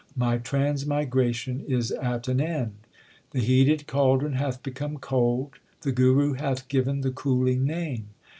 My transmigration is at an end. The heated caldron hath become cold ; the Guru hath given the cooling Name.